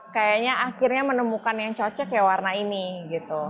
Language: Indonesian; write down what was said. kayaknya akhirnya menemukan yang cocok ya warna ini gitu